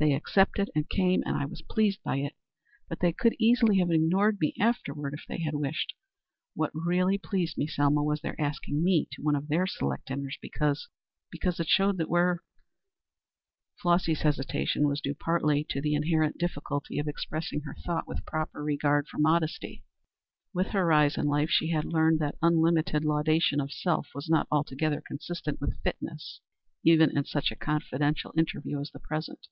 They accepted and came and I was pleased by it; but they could easily have ignored me afterward if they had wished. What really pleased me, Selma, was their asking me to one of their select dinners, because because it showed that we are " Flossy's hesitation was due partly to the inherent difficulty of expressing her thought with proper regard for modesty. With her rise in life she had learned that unlimited laudation of self was not altogether consistent with "fitness," even in such a confidential interview as the present.